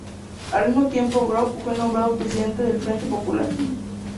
Al mismo tiempo Grove fue nombrado presidente del Frente Popular.